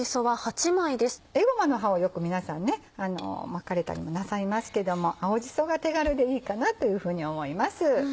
エゴマの葉をよく皆さんね巻かれたりもなさいますけども青じそが手軽でいいかなというふうに思います。